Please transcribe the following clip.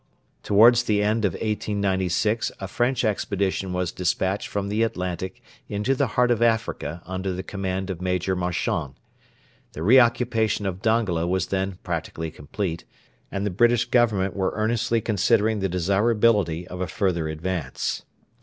Towards the end of 1896 a French expedition was despatched from the Atlantic into the heart of Africa under the command of Major Marchand. The re occupation of Dongola was then practically complete, and the British Government were earnestly considering the desirability of a further advance.